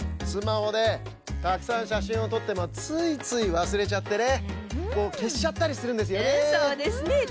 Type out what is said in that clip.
スマホでたくさんしゃしんをとってもついついわすれちゃってねけしちゃったりするんですよね。